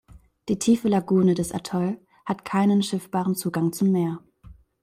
Die tiefe Lagune des Atoll hat keinen schiffbaren Zugang zum Meer.